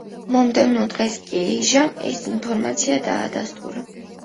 მომდევნო დღეს კი ეიჟამ ეს ინფორმაცია დაადასტურა.